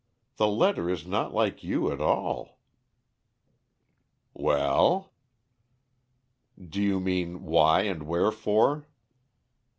The letter is not like you, at all." "Well?" "Do you mean why and wherefore?"